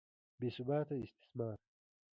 بې ثباته استثمار.